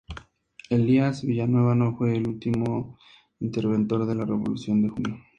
Elías Villanueva no fue el último interventor de la Revolución de Junio.